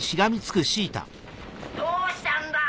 どうしたんだ！